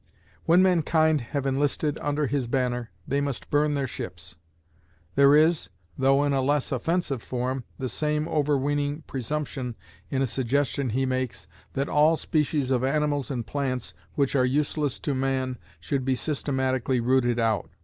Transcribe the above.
When mankind have enlisted under his banner, they must burn their ships. There is, though in a less offensive form, the same overweening presumption in a suggestion he makes, that all species of animals and plants which are useless to man should be systematically rooted out.